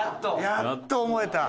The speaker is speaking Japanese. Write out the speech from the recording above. やっと思えた。